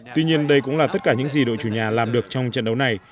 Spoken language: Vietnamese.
tuy nhiên đây cũng là tất cả những gì đội chủ nhà làm được trong trận đấu này